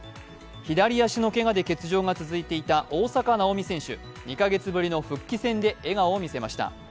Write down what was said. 左足のけがで欠場が続いていた大坂なおみ、２カ月ぶりの復帰戦で笑顔を見せました。